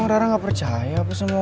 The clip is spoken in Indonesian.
rara gak percaya apa sama opa